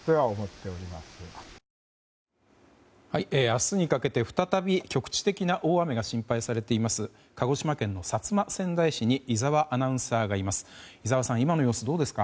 明日にかけて再び局地的な大雨が心配されています鹿児島県の薩摩川内市に井澤アナウンサーがいます。